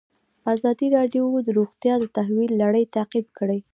ازادي راډیو د روغتیا د تحول لړۍ تعقیب کړې.